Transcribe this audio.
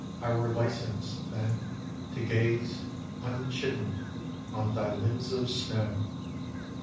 I were licensed then To gaze, unchidden, on thy limbs of snow.